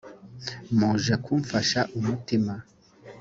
muje kumfasha umutima